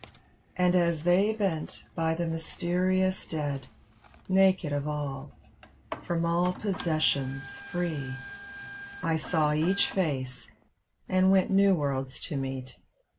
And as they bent by the mysterious dead. Naked of all, from all possessions free, I saw each face — ^and went new worlds to meet.